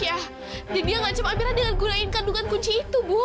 jadi dia ngacep amira dengan gunain gandungan kunci itu bu